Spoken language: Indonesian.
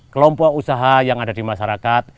kelompok usaha yang ada di masyarakat